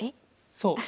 そう。